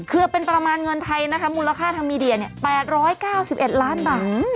คือเป็นประมาณเงินไทยนะคะมูลค่าทางมีเดีย๘๙๑ล้านบาท